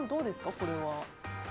これは。